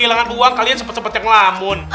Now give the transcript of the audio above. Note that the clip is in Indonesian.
hilang uang kalian cepet cepet yang lambun